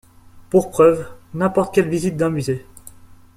Pour preuve, n'importe quelle visite d'un musée.